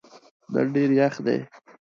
نن ډېر یخ دی.